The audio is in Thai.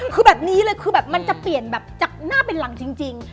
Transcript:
คือแบบนี้เลยคือแบบมันจะเปลี่ยนแบบจากหน้าเป็นหลังจริง